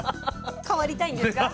変わりたいんですか？